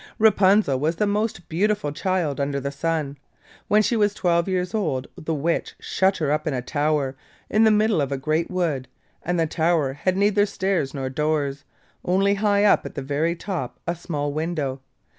Rapunzel was the most beautiful child under the sun. When she was twelve years old the Witch shut her up in a tower, in the middle of a great wood, and the tower had neither stairs nor doors, only high up at the very top a small window.